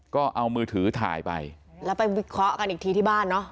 ก็เอามือถือถ่ายไปแล้วไปวิเคราะห์กันอีกทีที่บ้านเนอะ